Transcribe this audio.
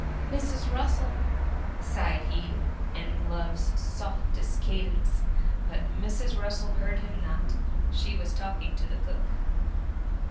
'* Mrs. Russel !^ sighed he, in love's softest cadence ; but Mrs. Russel heard him not ; she was talking to the cook.